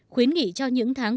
khuyến nghị cho những tháng